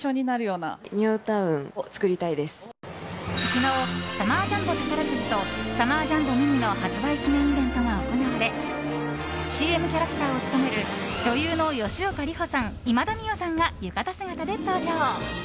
昨日サマージャンボ宝くじとサマージャンボミニの発売記念イベントが行われＣＭキャラクターを務める女優の吉岡里帆さん今田美桜さんが浴衣姿で登場。